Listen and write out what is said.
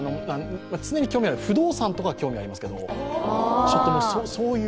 常に興味ある、不動産とかは興味がありますけど、そういう。